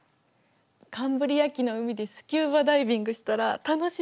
カンブリア紀の海でスキューバダイビングしたら楽しそう。